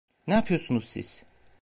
Ne yapıyorsunuz siz?